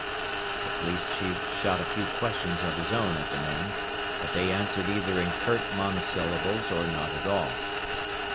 The police chief shot a few questions of his own at the men, but they answered either in curt monosyllables or not at all.